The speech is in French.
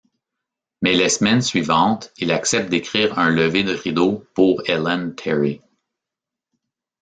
Mais les semaines suivantes, il accepte d'écrire un lever de rideau pour Ellen Terry.